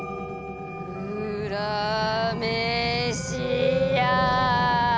うらめしや。